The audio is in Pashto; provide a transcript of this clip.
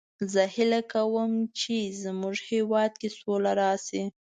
زه هیله کوم چې د مونږ هیواد کې سوله راشي